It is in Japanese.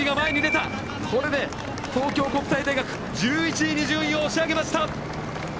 これで東京国際大学１１位に順位を押し上げました。